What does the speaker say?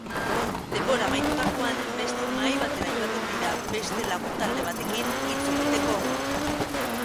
Denbora amaitutakoan beste mahai batera joaten dira beste lagun talde batekin hitz egiteko.